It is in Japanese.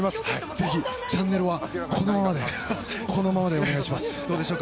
ぜひチャンネルはこのままでお願いします。